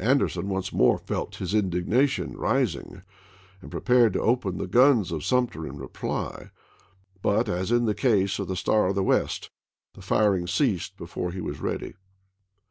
Anderson once more felt his indignation rising and prepared to open the guns of Sumter in reply, but, as in the case of the Star of the West, the firing ceased before he was ready.